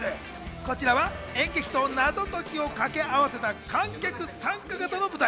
こちらは演劇と謎解きをかけあわせた観客参加型の舞台。